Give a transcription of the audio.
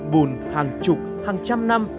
bùn hàng chục hàng trăm năm